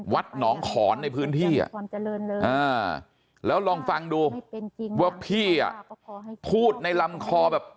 วัดหนองขอนในพื้นที่ความเจริญเลยแล้วลองฟังดูว่าพี่อ่ะพูดในลำคอแบบ